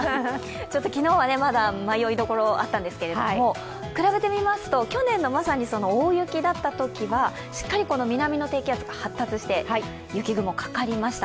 昨日はまだ迷いどころがあったんですが、比べてみますと去年のまさに大雪だったときはしっかり南の低気圧が発達して雪雲がかかりました。